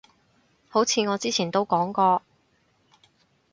好似我之前都講過